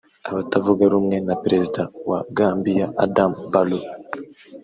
Abatavugarumwe na Perezida wa Gambia Adama Barrow